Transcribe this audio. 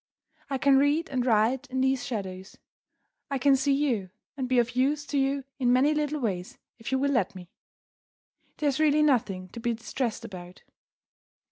I can read and write in these shadows I can see you, and be of use to you in many little ways, if you will let me. There is really nothing to be distressed about.